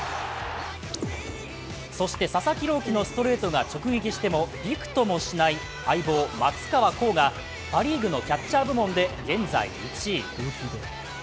そして、佐々木朗希のストレートが直撃してもびくともしない相棒・松川虎生がパ・リーグのキャッチャー部門で現在１位。